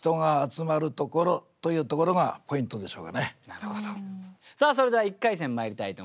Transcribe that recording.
今回の兼題はそれでは１回戦まいりたいと思います。